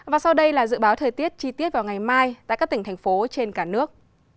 và sau đây là dự báo thời tiết chi tiết vào ngày mai tại các tỉnh thành phố trên cả nước